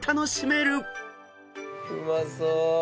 うまそう！